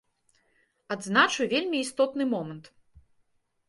Адзначу вельмі істотны момант.